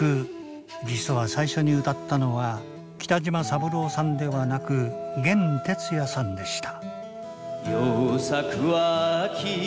実は最初に歌ったのは北島三郎さんではなく弦てつやさんでした。